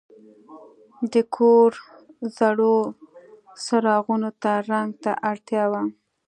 د کور زړو څراغونو ته رنګ ته اړتیا وه.